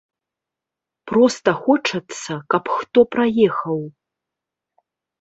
Проста хочацца, каб хто праехаў.